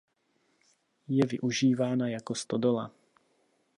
Je využívána jako stodola.